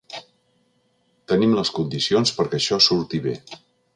Tenim les condicions perquè això surti bé.